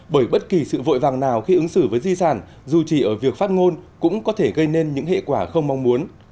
bởi bất kỳ sự vội vàng nào khi ứng xử với di sản dù chỉ ở việc phát ngôn cũng có thể gây nên những hệ quả không mong muốn